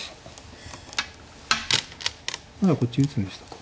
ならこっち打つんでしたか。